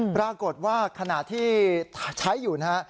ปรากฏว่าขณะที่ใช้อยู่นะฮะ